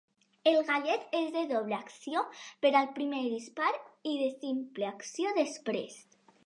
El gallet és de doble acció per al primer dispar i de simple acció després.